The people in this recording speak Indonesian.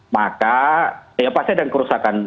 maka pasti akan kerusakan